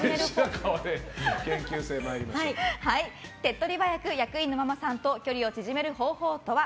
手っ取り早く役員のママさんと距離を縮める方法とは？